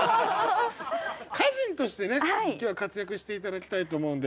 歌人としてね今日は活躍して頂きたいと思うんで。